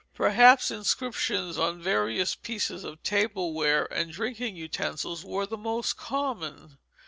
Perhaps inscriptions on various pieces of tableware and drinking utensils were the most common.